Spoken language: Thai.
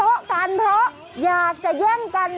กันเพราะอยากจะแย่งกัน